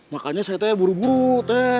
makanya saya buru buru t